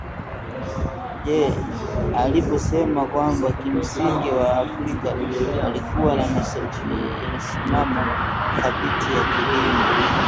J aliposema kwamba kimsingi Waafrika walikuwa na misimamo dhabiti ya kidini